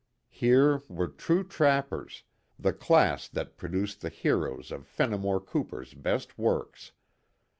Here were true trappers, the class that produced the heroes of Fenimore Cooper's best works.